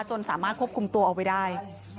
จนสามารถควบคุมตัวเอาไว้ได้